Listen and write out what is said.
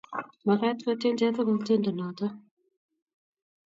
Magat kotyen chi tukul tyenotok.